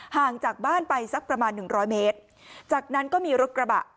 ห่างจากบ้านไปสักประมาณหนึ่งร้อยเมตรจากนั้นก็มีรถกระบะ